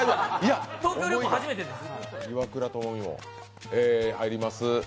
東京旅行初めてです。